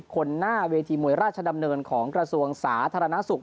หน้าเวทีมวยราชดำเนินของกระทรวงสาธารณสุข